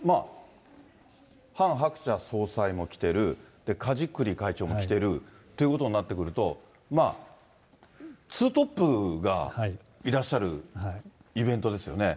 ハン・ハクチャ総裁も来てる、梶栗会長も来てる、ということになってくると、ツートップがいらっしゃるイベントですよね。